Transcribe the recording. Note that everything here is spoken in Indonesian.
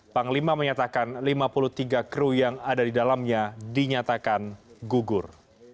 panglima menyatakan lima puluh tiga kru yang ada di dalamnya dinyatakan gugur